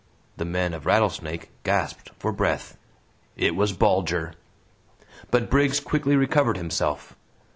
The men of Rattlesnake gasped for breath. It was Bulger! But Briggs quickly recovered himself.